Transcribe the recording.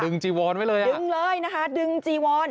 จีวอนไว้เลยอ่ะดึงเลยนะคะดึงจีวอน